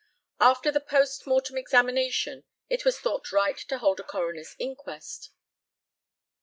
After the post mortem examination it was thought right to hold a coroner's inquest.